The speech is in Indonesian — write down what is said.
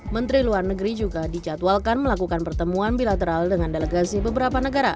menteri luar negeri juga dijadwalkan melakukan pertemuan bilateral dengan delegasi beberapa negara